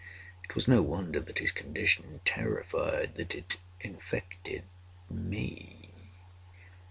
It was no wonder that his condition terrified—that it infected me.